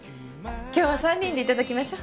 今日は３人で頂きましょう。